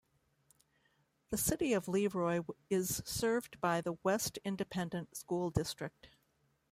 The City of Leroy is served by the West Independent School District.